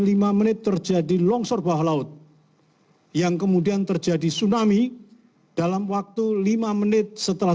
lima menit terjadi longsor bawah laut yang kemudian terjadi tsunami dalam waktu lima menit setelah